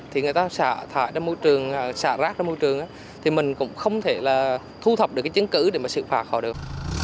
thì người ta xả rác ra môi trường thì mình cũng không thể là thu thập được cái chứng cử để mà xử phạt họ được